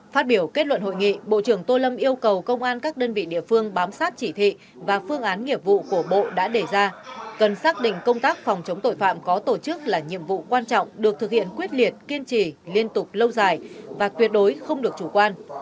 phát biểu kết luận hội nghị bộ trưởng tô lâm yêu cầu công an các đơn vị địa phương bám sát chỉ thị và phương án nghiệp vụ của bộ đã đề ra cần xác định công tác phòng chống tội phạm có tổ chức là nhiệm vụ quan trọng được thực hiện quyết liệt kiên trì liên tục lâu dài và tuyệt đối không được chủ quan